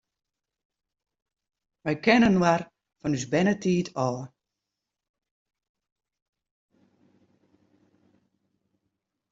Wy kenne inoar fan ús bernetiid ôf.